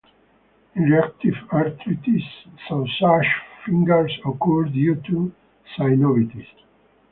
In reactive arthritis, sausage fingers occur due to synovitis.